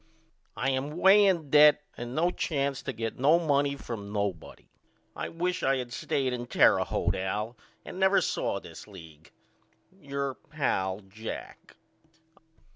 I am way in debt and no chance to get no money from nobody. I wish I had of stayed with Terre Haute Al and never saw this league. Your pal, JACK.